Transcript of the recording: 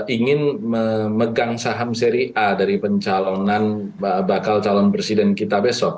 ingin memegang saham seri a dari pencalonan bakal calon presiden kita besok